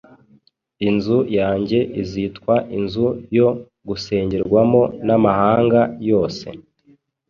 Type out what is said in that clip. Inzu yanjye izitwa inzu yo gusengerwamo n’amahanga yose.”